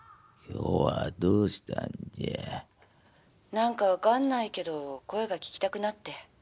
「何か分かんないけど声が聞きたくなって」。